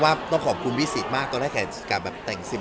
ว่าต้องขอบคุณพี่มากก็ได้แข่งการแบบแบบ